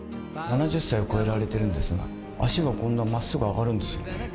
７０歳を超えられてるんですが脚がこんな真っすぐ上がるんですよね。